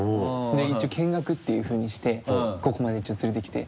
で一応見学っていうふうにしてここまで一応連れてきて。